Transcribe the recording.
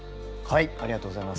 はい。